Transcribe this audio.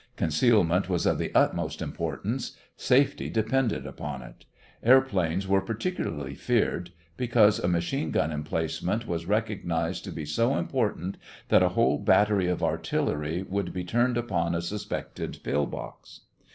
Concealment was of the utmost importance; safety depended upon it. Airplanes were particularly feared, because a machine gun emplacement was recognized to be so important that a whole battery of artillery would be turned upon a suspected pill box.